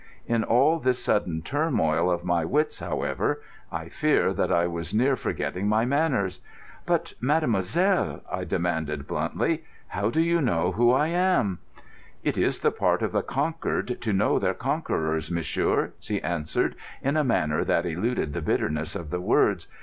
In all this sudden turmoil of my wits, however, I fear that I was near forgetting my manners. "But, mademoiselle," I demanded bluntly, "how do you know who I am?" "It is the part of the conquered to know their conquerors, monsieur," she answered, in a manner that eluded the bitterness of the words.